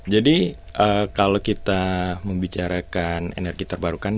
kalau kita membicarakan energi terbarukan